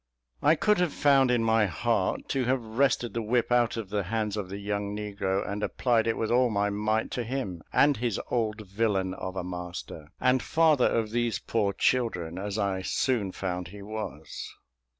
I could have found in my heart to have wrested the whip out of the hands of the young negro, and applied it with all my might to him, and his old villain of a master, and father of these poor children, as I soon found he was.